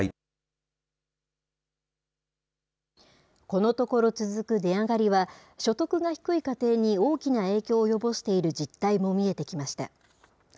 このところ続く値上がりは、所得が低い家庭に大きな影響を及ぼしている実態も見えてきました。